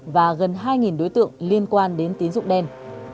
và gần hai đối tượng liên quan đến tín dụng đen